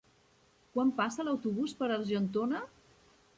Quan passa l'autobús per Argentona?